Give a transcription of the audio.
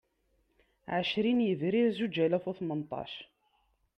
Ɛecrin Yebrir Zuǧ alas u Tmenṭac